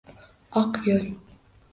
Oq yo’l!